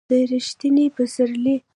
د ر یښتني پسرلي